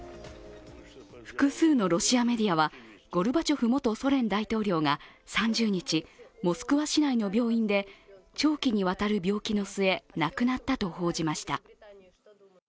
複数のロシアメディアはゴルバチョフ元ソ連大統領が３０日モスクワ市内の病院で長期にわたる病気の末、亡くなったと報じました。